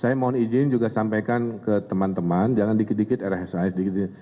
saya mohon izin juga sampaikan ke teman teman jangan dikit dikit rshs dikit ini